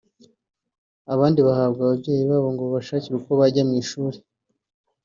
abandi bahabwa ababyeyi babo ngo babashakirwe uko bajya mu ishuri